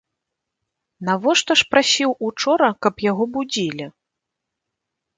Навошта ж прасіў учора, каб яго будзілі?